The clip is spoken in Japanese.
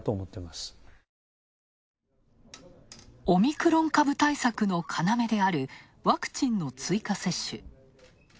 オミクロン株対策の要であるワクチンの追加接種。